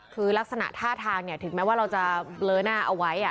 คือลักษณะท่าทางถึงแม้ว่าเราจะเบลอหน้าเอาไว้